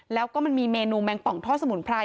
แล้วก็มันมีเมนูแมงป่องท่อสมุนไพร